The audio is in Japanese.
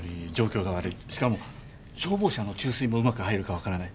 しかも消防車の注水もうまく入るか分からない。